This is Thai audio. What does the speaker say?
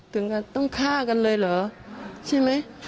ถึงกับต้องฆ่ากันเลยเหรอใช่ไหม